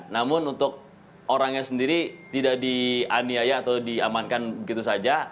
namun untuk orangnya sendiri tidak dianiaya atau diamankan begitu saja